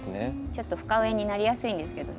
ちょっと深植えになりやすいんですけど。